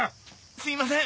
すいません！